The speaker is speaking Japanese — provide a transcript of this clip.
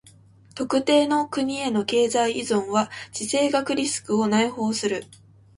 特定の国への経済依存は地政学リスクを内包する。